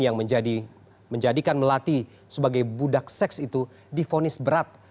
yang menjadikan melati sebagai budak seks itu difonis berat